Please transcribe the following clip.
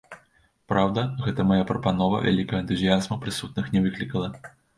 Праўда, гэтая мая прапанова вялікага энтузіязму прысутных не выклікала.